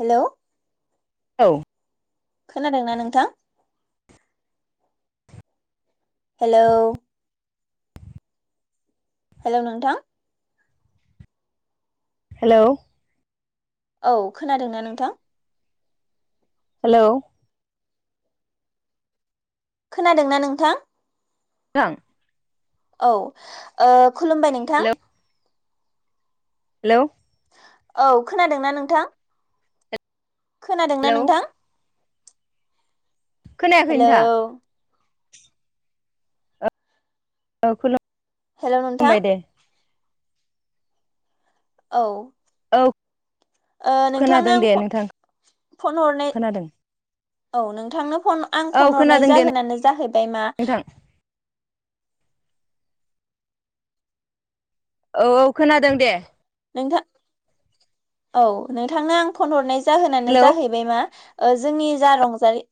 हेल' औ खोनादोंना नोंथां? हेलौ हेल' नोंथां? हेलौ औ खोनादोंना नोंथां? हेल' खोनादोंना नोंथां? थां औ ओ खुलुमबाय नोंथां। हेल' औ खोनादोंना नोंथां? खोनादोंना हेलौ नोंथां? खोनायाखै नोंथां? हेलौ औ हेलौ नोंथां खुलुमबाय दे। औ। औ। ओ नोंथांनो खोनादों आं दे नोंथां फ-फनहरनाय खोनादों। औ नोंथांनो फन आं औ फन हरनाय खोनादों दे जाहोनानो जाहैबाय मा नोंथां औ औ खोनादों दे। नोंथां औ नोंथांनो आं फनहरनाय जाहोनानो हेलौ जाहैबाय मा ओ जोंनि जा रंजालि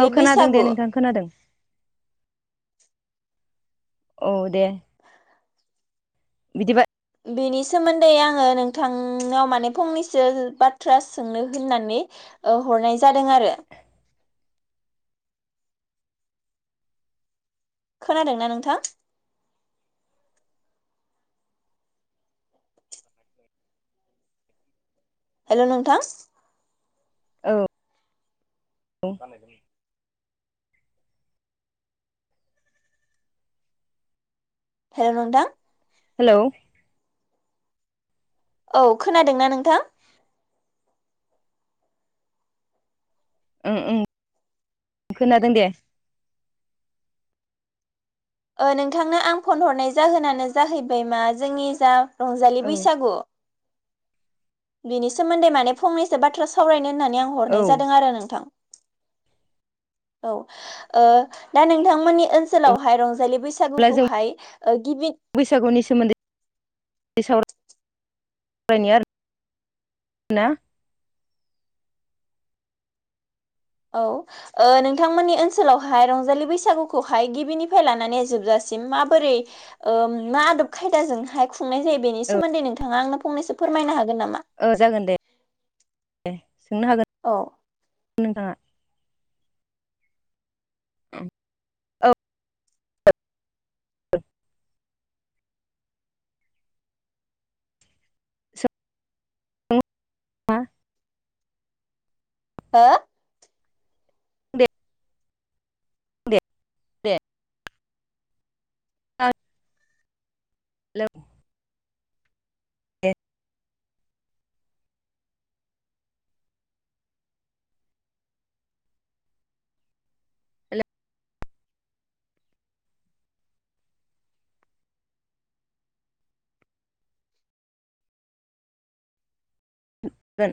औ खोनादों दे बैसागु नोंथां खोनादों। औ दे। बिदिबा बेनि सोमोन्दै आङो नोंथांनाव माने फंनैसो बाथ्रा सोंनो होननानै ओ हरनाय जादों आरो। खोनादोंना नोंथां? [inaudible] हेल' नोंथां औ हेल' नोंथां हेलौ औ खोनादोंना नोंथां? उम उम खोनादों दे। ओ नोंथांनो आं फनहरनाय जाहोनानो जाहैबाय मा जोंनि जा रंजालि औ बैसागु बिनि सोमोन्दै माने फंनैसो बाथ्रा सावरायनो होननानै आं औ हरनाय जादों आरो नोंथां। औ ओ दा नोंथांमोननि ओनसोलावहाय रंजालि बै अब्ला जों सागुखौहाय ओ गिबि बैसागुनि सोमोन्दै साव रायनि आरोना। औ। ओ नोंथांमोननि ओनसोलावहाय रंजालि बैसागुखौहाय गिबिनिफाय लानानै जोबजासिम माबोरै ओ मा आदब खायदाजोंहाय खुंनाय जायो बेनि औ सोमोन्दै नोंथाङा आंनो फंनैसो फोरमायनो हागोन नामा? ओ जागोन दे दे सोंनो हागोन अ नोंथाङा ओं औ सों [unintelligible] हो [unintelligible] [unintelligible] दे [unintelligible] हेलौ दे [unintelligible] हेल'